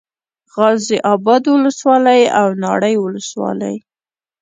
غازي اباد ولسوالي او ناړۍ ولسوالي